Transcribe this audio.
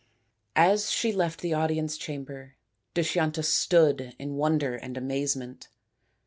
As she left the audience chamber Dushyanta stood in wonder and amazement.